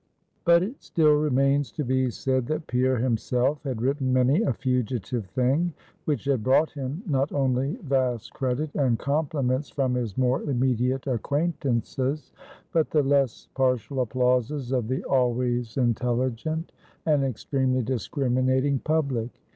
But it still remains to be said, that Pierre himself had written many a fugitive thing, which had brought him, not only vast credit and compliments from his more immediate acquaintances, but the less partial applauses of the always intelligent, and extremely discriminating public.